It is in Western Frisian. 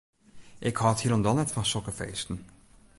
Ik hâld hielendal net fan sokke feesten.